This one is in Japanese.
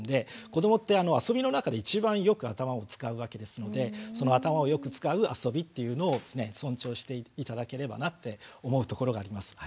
子どもって遊びの中で一番よく頭を使うわけですのでその頭をよく使う遊びっていうのをですね尊重して頂ければなって思うところがあります。